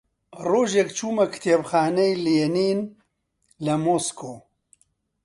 ڕۆژێک چوومە کتێبخانەی لێنین لە مۆسکۆ